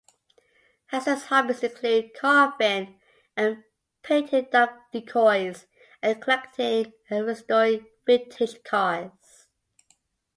Hastert's hobbies include carving and painting duck decoys, and collecting and restoring vintage cars.